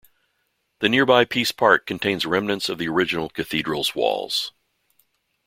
The nearby Peace Park contains remnants of the original cathedral's walls.